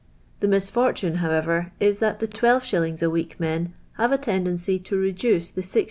The misfortune, however, is, that the Via. a wo<'k men have a tendency to reduce the IC^.